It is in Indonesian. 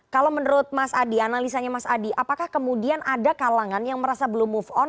kalau menurut mas adi analisanya mas adi apakah kemudian ada kalangan yang merasa belum move on